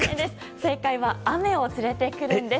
正解は雨を連れてくるんです。